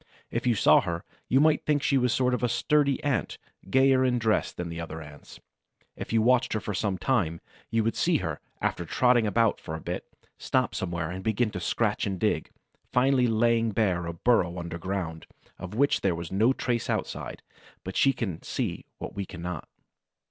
If you saw her, you might think she was a sort of sturdy Ant, gayer in dress than other Ants. If you watched her for some time, you would see her, after trotting about for a bit, stop somewhere and begin to scratch and dig, finally laying bare a burrow underground, of which there was no trace outside; but she can see what we cannot.